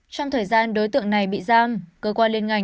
trong thời gian đối tượng này bị giam